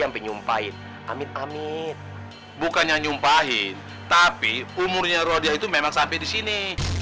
sampai nyumpain amit amit bukannya nyumpain tapi umurnya roda itu memang sampai di sini